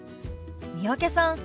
三宅さん